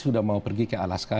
sudah mau pergi ke alaska